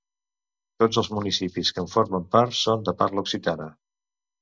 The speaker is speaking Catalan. Tots els municipis que en formen part són de parla occitana.